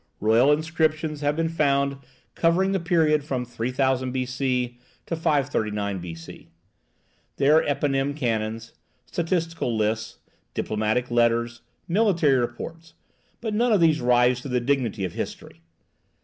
Royal inscriptions have been found covering the period from 3000 B.C. to 539 B.C. There are eponym canons, statistical lists, diplomatic letters, military reports; but none of these rise to the dignity of history.